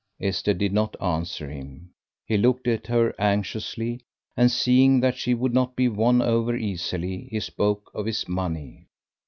Esther did not answer him. He looked at her anxiously, and seeing that she would not be won over easily, he spoke of his money.